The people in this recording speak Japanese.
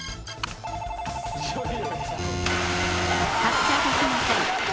発車できません。